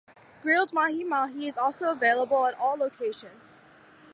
Grilled mahi-mahi is also available at all locations.